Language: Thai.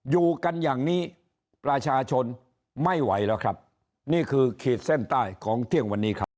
อยู่กันอย่างนี้ประชาชนไม่ไหวแล้วครับนี่คือขีดเส้นใต้ของเที่ยงวันนี้ครับ